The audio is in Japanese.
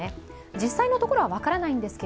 実際のところは分からないんですが、